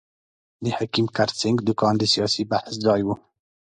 د حکیم کرت سېنګ دوکان د سیاسي بحث ځای وو.